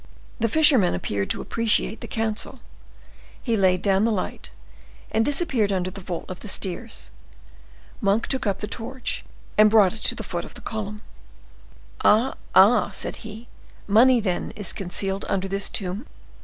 The fisherman appeared to appreciate the counsel; he laid down the light, and disappeared under the vault of the stairs. Monk took up the torch, and brought it to the foot of the column. "Ah, ah!" said he; "money, then, is concealed under this tomb?"